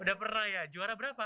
udah pernah ya juara berapa